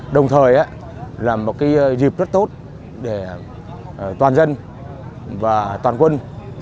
đồng thời là một dịp rất tốt để toàn dân và toàn quân